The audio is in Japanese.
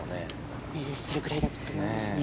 それくらいだと思いますね。